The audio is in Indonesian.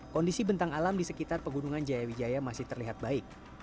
kondisi bentang alam di sekitar pegunungan jaya wijaya masih terlihat baik